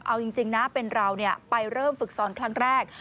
เอาจริงนะเป็นเราไปเริ่มฝึกซ้อนครั้งแรก